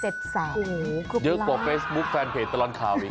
เสร็จแสงโอ้โหคุณพลาดโอ้โหเยอะกว่าเฟสบุ๊คแฟนเพจตลอดข่าวอีก